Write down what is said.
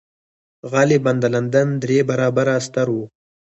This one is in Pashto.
غالباً د لندن درې برابره ستر و.